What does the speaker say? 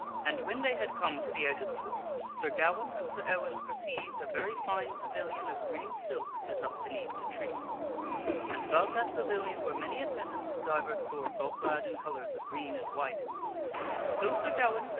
And when they had come to the edge of the forest Sir Gawaine and Sir Ewaine perceived a very fine pavilion of green silk set up beneath the tree. And about that pavilion were many attendants of divers sorts sir Gawaine all clad in colors of green and white. So Sir Gawaine per and sir Ewaine .